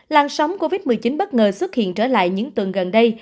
lan sóng covid một mươi chín bất ngờ xuất hiện trở lại những tuần gần đây